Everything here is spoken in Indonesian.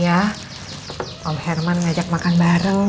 ya om herman mengajak makan bareng